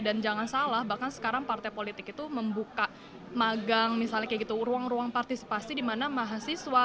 dan jangan salah bahkan sekarang partai politik itu membuka magang misalnya kayak gitu ruang ruang partisipasi di mana mahasiswa